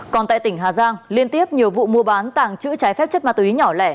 còn tại tỉnh hà giang liên tiếp nhiều vụ mua bán tàng trữ trái phép chất ma túy nhỏ lẻ